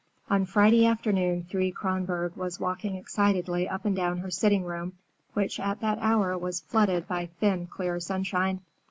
III On Friday afternoon Thea Kronborg was walking excitedly up and down her sitting room, which at that hour was flooded by thin, clear sunshine.